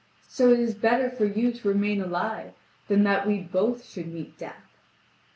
So it is better for you to remain alive than that we both should meet death."